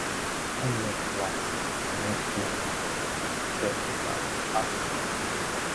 Olmitz was originally built up chiefly by Austrians.